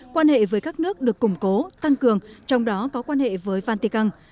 quan hệ với các nước được củng cố tăng cường trong đó có quan hệ với văn tị căng